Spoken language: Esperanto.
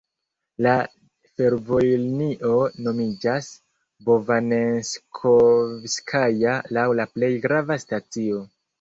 La fervojlinio nomiĝas Bovanenskovskaja laŭ la plej grava stacio.